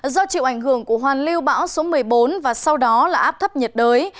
do chịu ảnh hưởng của hoàn lưu bão số một mươi bốn và sau đó là áp thấp nhiệt đới